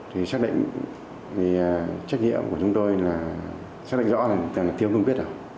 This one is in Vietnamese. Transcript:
thì xác định trách nhiệm của chúng tôi là xác định rõ là thiếu công viết